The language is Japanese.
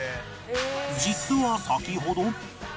実は先ほど